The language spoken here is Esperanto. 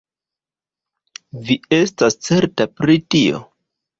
Vi estas certa pri tio?